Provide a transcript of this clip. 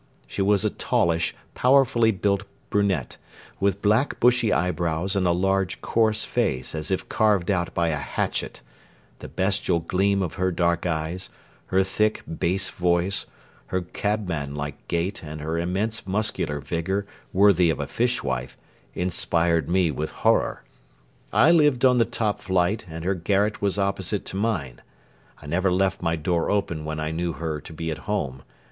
She was a tallish, powerfully built brunette, with black, bushy eyebrows and a large coarse face as if carved out by a hatchet the bestial gleam of her dark eyes, her thick bass voice, her cabman like gait and her immense muscular vigour, worthy of a fishwife, inspired me with horror. I lived on the top flight and her garret was opposite to mine. I never left my door open when I knew her to be at home.